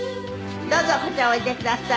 どうぞこちらへおいでください。